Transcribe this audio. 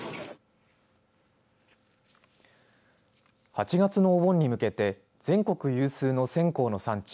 ８月のお盆に向けて全国有数の線香の産地